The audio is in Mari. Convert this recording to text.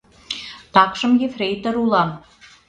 — Такшым ефрейтор улам.